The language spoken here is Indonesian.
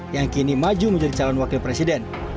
yang kini maju menjadi calon wakil presiden